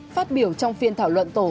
phát biểu trong phiên thảo luận tổ